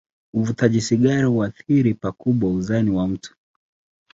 Uvutaji sigara huathiri pakubwa uzani wa mtu.